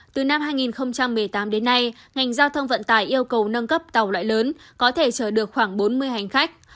từ năm hai nghìn một mươi tám đến nay ngành giao thông vận tải yêu cầu nâng cấp tàu loại lớn có thể chở được khoảng bốn mươi hành khách